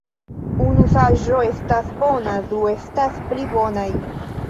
Unu saĝo estas bona, du estas pli bonaj.